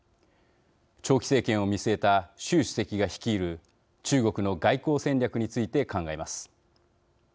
長期政権を見据えた習主席が率いる中国の外交戦略について考えます。